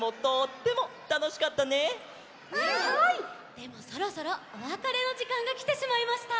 でもそろそろおわかれのじかんがきてしまいました。